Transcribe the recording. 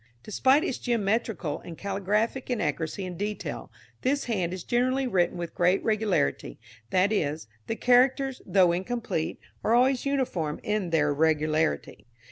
Despite its geometrical and caligraphic inaccuracy in detail, this hand is generally written with great regularity, that is, the characters, though incomplete, are always uniform in their irregularity.